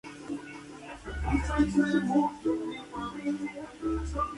Tras perder Lopera el control de las acciones del club, este fue intervenido judicialmente.